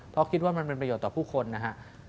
เพราะคิดว่ามันเป็นประโยชน์ต่อผู้คนนะฮะ